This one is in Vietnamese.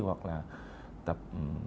hoặc là tập